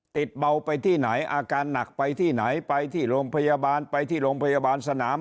เบาไปที่ไหนอาการหนักไปที่ไหนไปที่โรงพยาบาลไปที่โรงพยาบาลสนาม